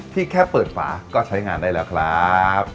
แค่เปิดฝาก็ใช้งานได้แล้วครับ